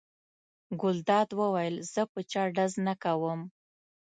ګلداد وویل: زه په چا ډز نه کوم.